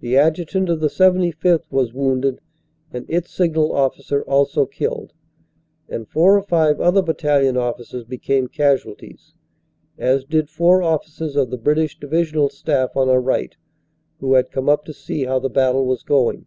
The adjutant of the 75th. was wounded and its signal officer also killed, and four or five other battalion officers became casualties, as did four officers of the British Divisional staff on our right who had come up to see how the battle was going.